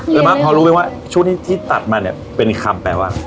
เดี๋ยวมาเพราะรู้เป็นว่าชุดนี้ที่ตัดมาเนี้ยเป็นคำแปลว่า